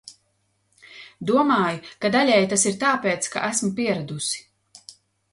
Domāju, ka daļēji tas ir tāpēc, ka esmu pieradusi.